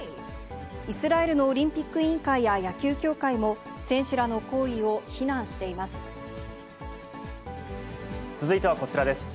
イスラエルのオリンピック委員会や野球協会も、選手らの行為を非続いてはこちらです。